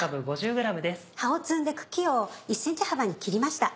葉を摘んで茎を１ｃｍ幅に切りました。